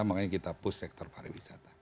makanya kita push sektor pariwisata